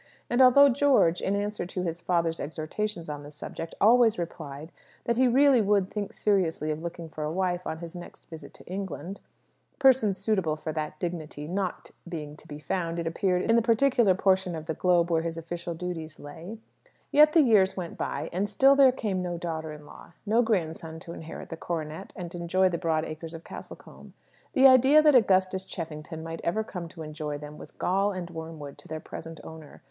And although George, in answer to his father's exhortations on the subject, always replied that he really would think seriously of looking for a wife on his next visit to England (persons suitable for that dignity not being to be found, it appeared, in the particular portion of the globe where his official duties lay), yet the years went by, and still there came no daughter in law, no grandson to inherit the coronet and enjoy the broad acres of Castlecombe. The idea that Augustus Cheffington might ever come to enjoy them was gall and wormwood to their present owner.